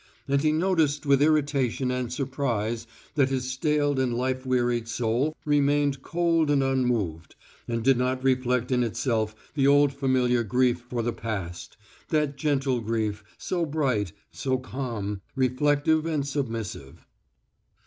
And he noticed with irritation and surprise that his staled and life wearied soul remained cold and unmoved, and did not reflect in itself the old familiar grief for the past, that gentle grief, so bright, so calm, reflective and submissive.